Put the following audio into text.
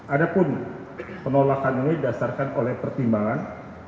adapun penolakan ini didasarkan oleh pertimbangan